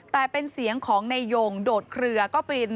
แต่เป็นเสียงของในยงโดดเครือก็เป็น